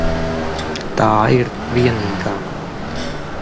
Tā ir vienīgā.